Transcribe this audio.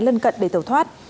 lân cận để thẩu thoát